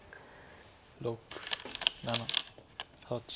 ６７８。